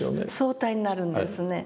相対になるんですね。